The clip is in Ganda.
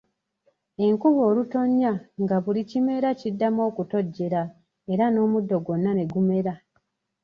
Enkuba olutonya nga buli kimera kiddamu okutojjera era n'omuddo gwonna ne gumera.